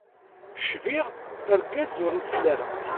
Cbiɣ argaz ur nsell ara.